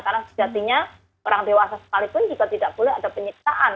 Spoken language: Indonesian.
karena sejatinya orang dewasa sekalipun juga tidak boleh ada penyiksaan